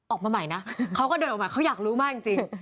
ออกมาใหม่นะเขาก็เดินออกมาเขาอยากรู้มากจริง